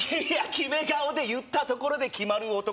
キメ顔で言ったところで決まる男